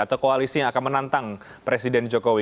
atau koalisi yang akan menantang presiden jokowi